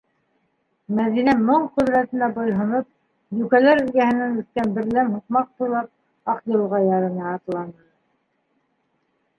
Мәҙинә моң ҡөҙрәтенә буйһоноп, йүкәләр эргәһенән үткән берләм һуҡмаҡ буйлап Аҡйылға ярына атланы...